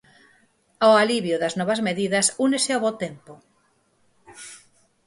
Ao alivio das novas medidas únese o bo tempo.